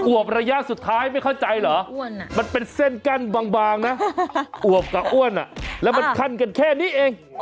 อุ๊บระยะสุดท้ายไม่เข้าใจหรือมันเป็นเส้นกั้นบางอุ่บกับอุ้นมันคั่นกันแค่นี้